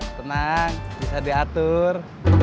tenang bisa diatur